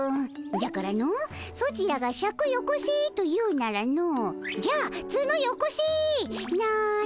じゃからのソチらが「シャクよこせ」と言うならの「じゃあツノよこせ」なのじゃ。